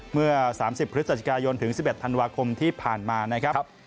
เมื่อ๓๐พฤศจิกายนถึง๑๑ธันวาคมที่ผ่านมานะครับ